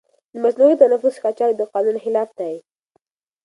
د مصنوعي تنفس قاچاق د قانون خلاف دی.